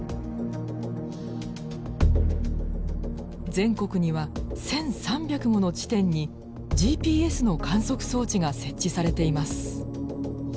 全国には１，３００もの地点にＧＰＳの観測装置が設置されています。